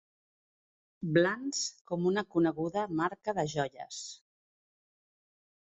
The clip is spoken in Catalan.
Blans com una coneguda marca de joies.